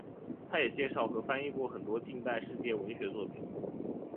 它也介绍和翻译过很多近代世界文学作品。